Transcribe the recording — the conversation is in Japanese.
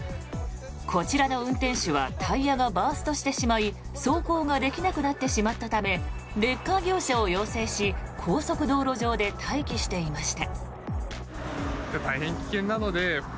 こちらの運転手はタイヤがバーストしてしまい走行ができなくなってしまったためレッカー業者を要請し高速道路上で待機していました。